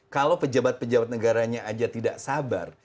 kalau pejabat pejabat negaranya aja tidak sabar